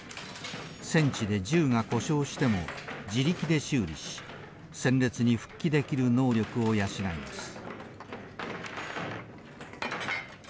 戦地で銃が故障しても自力で修理し戦列に復帰できる能力を養います。